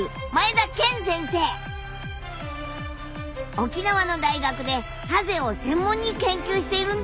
沖縄の大学でハゼを専門に研究しているんだ。